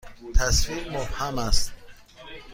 تصویر مبهم است.